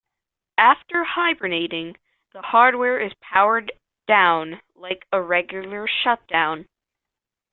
After hibernating, the hardware is powered down like a regular shutdown.